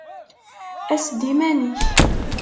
Ass-d iman-ik!